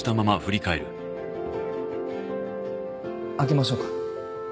開けましょうか？